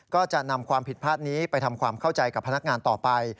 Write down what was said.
ก็จะนำความผิดพลาดนี้ไปทำความเข้าใจกับพนักงานต่อไป